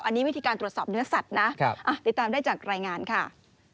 อันนี้วิธีการตรวจสอบเนื้อสัตว์นะติดตามได้จากรายงานค่ะ